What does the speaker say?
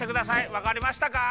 わかりましたか？